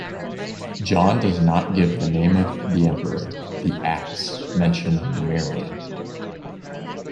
John does not give the name of the emperor; the "Acts" mention Numerian.